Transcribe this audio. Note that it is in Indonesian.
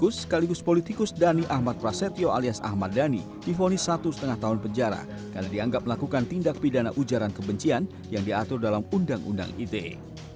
agus sekaligus politikus dhani ahmad prasetyo alias ahmad dhani difonis satu lima tahun penjara karena dianggap melakukan tindak pidana ujaran kebencian yang diatur dalam undang undang ite